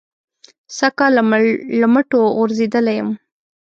سږ کال له مټو غورځېدلی یم.